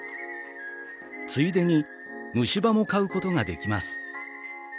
ついでに虫歯も買うことができます。